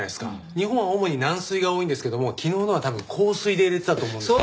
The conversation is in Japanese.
日本は主に軟水が多いんですけども昨日のは多分硬水で入れてたと思うんですよ。